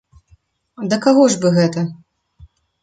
Да каго ж бы гэта?